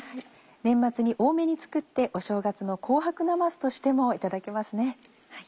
年末に多めに作ってお正月の紅白なますとしてもいただけますね。